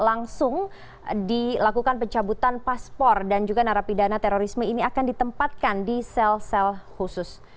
langsung dilakukan pencabutan paspor dan juga narapidana terorisme ini akan ditempatkan di sel sel khusus